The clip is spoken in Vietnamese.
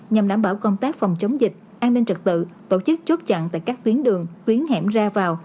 nhằm đảm bảo công tác phòng chống dịch an ninh trật tự tổ chức chốt chặn tại các tuyến đường tuyến hẻm ra vào